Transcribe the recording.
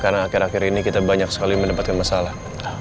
karena akhir akhir ini kita banyak sekali mendapatkan masalah